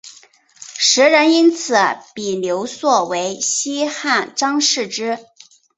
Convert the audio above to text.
时人因此比刘颂为西汉张释之。